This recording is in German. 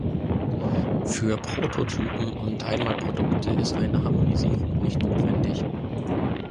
Für Prototypen und Einmalprodukte ist eine Harmonisierung nicht notwendig.